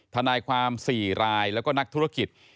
ทนายความ๔รายแล้วก็นักธุรกิจ